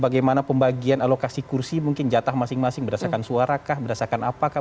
bagaimana pembagian alokasi kursi mungkin jatah masing masing berdasarkan suara kah berdasarkan apakah